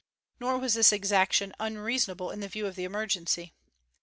Nor was this exaction unreasonable in view of the emergency.